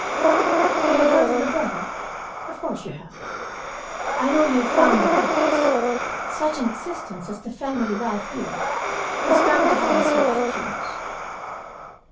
"You have heard of the brother? But of course you have. I know you have found the books. Such an existence as the family life here was bound to have its reactions.